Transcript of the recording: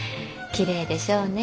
きれいでしょうね。